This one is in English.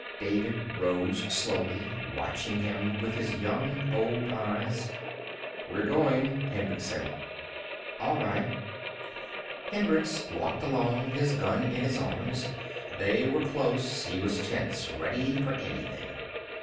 David rose slowly, watching him with his young old eyes. "We're going," Hendricks said. "All right." Hendricks walked along, his gun in his arms. They were close; he was tense, ready for anything.